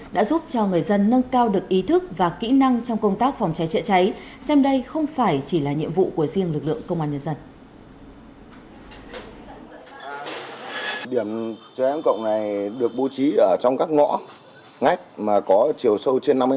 đã giúp cho người dân nâng cao được ý thức và kỹ năng trong công tác phòng cháy chữa cháy xem đây không phải chỉ là nhiệm vụ của riêng lực lượng công an nhân dân